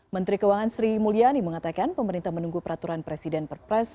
menteri keuangan sri mulyani mengatakan pemerintah menunggu peraturan presiden perpres